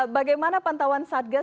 bagaimana pantauan satgas